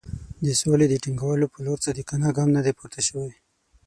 د سولې د ټینګولو پر لور صادقانه ګام نه دی پورته شوی.